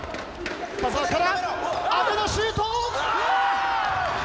深澤から安部のシュート！